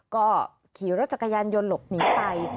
ก็ขี่รถจักรยานยนต์หลบหนีไป